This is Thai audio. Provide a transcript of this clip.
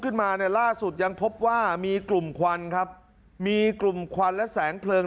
ขึ้นมาเนี่ยล่าสุดยังพบว่ามีกลุ่มควันครับมีกลุ่มควันและแสงเพลิง